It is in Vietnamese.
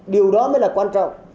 điều đó mới là quan trọng